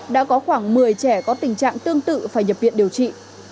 đã có khoảng một mươi trẻ có tình trạng tương tự phải nhập viện điều trị